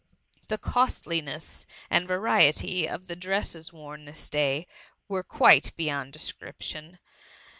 The costliness and variety of the dresses worn this day were quite beyond description.